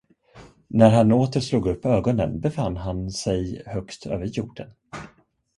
När han åter slog upp ögonen, befann han sig högt över jorden.